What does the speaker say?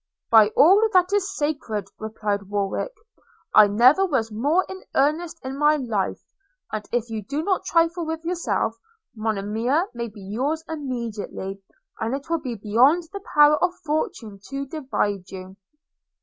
'By all that is sacred!' replied Warwick, 'I never was more in earnest in my life; and, if you do not trifle with yourself, Monimia may be yours immediately, and it will be beyond the power of fortune to divide you!'